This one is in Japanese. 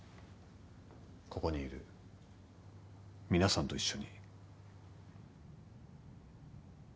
ここにいる皆さんと一緒に。